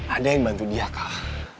ada yang bantu dia kah